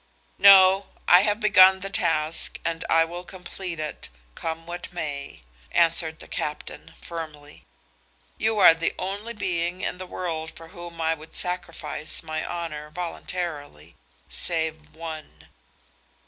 "No; I have begun the task and I will complete it, come what may," answered the captain, firmly. "You are the only being in the world for whom I would sacrifice my honor voluntarily, save one."